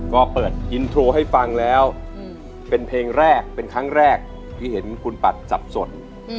ก็เปิดคลิปให้ฝังแล้วเป็นเพลงแรกเป็นครั้งแรกที่เห็นคุณปรับต่อส่วน